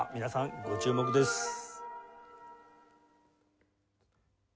皆さんご注目です。